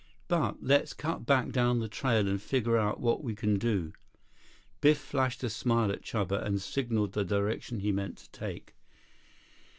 But let's cut back down the trail and figure out what we can do." Biff flashed a smile at Chuba and signaled the direction he meant to take.